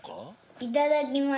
いただきます。